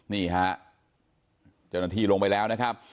นี่ฮะเจ้าหน้าที่ลงไปแล้วนะครับ